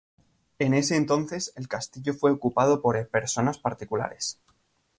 En ese entonces el castillo fue ocupado por personas particulares.